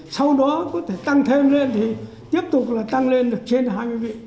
sau đó có thể tăng thêm lên thì tiếp tục là tăng lên được trên hai mươi vị